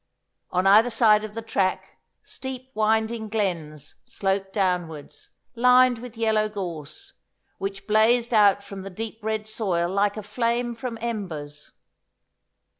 On either side of the track steep winding glens sloped downwards, lined with yellow gorse, which blazed out from the deep red soil like a flame from embers.